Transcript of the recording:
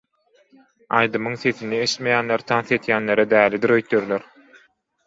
Aýdymyň sesini eştmeýänler tans edýänlere dälidir öýderler.